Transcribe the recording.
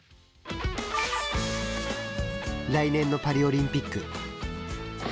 来年のパリオリンピック。